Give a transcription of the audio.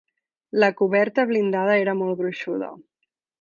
La coberta blindada era molt gruixuda.